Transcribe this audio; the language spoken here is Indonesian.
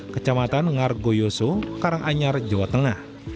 kecamatan ngargoyoso karanganyar jawa tengah